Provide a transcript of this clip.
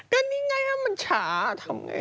ก็นี่ไงมันช้าทำไม